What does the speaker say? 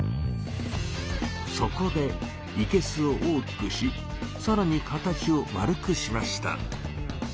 そこでいけすを大きくしさらに形を円くしました。